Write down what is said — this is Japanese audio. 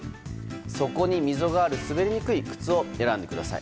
底に溝がある滑りにくい靴を選んでください。